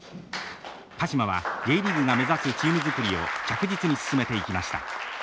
鹿島はＪリーグが目指すチーム作りを着実に進めていきました。